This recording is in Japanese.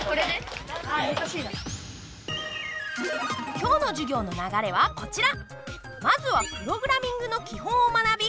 今日の授業の流れはこちら。